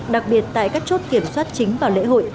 đặc biệt tại các chốt kiểm soát chính vào lễ hội